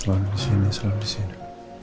selalu disini selalu disini